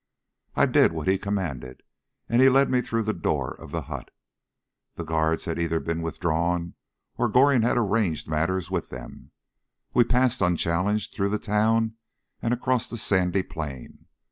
I did what he commanded, and he led me through the door of the hut. The guards had either been withdrawn, or Goring had arranged matters with them. We passed unchallenged through the town and across the sandy plain.